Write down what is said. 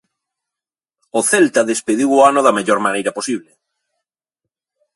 O Celta despediu o ano da mellor maneira posible.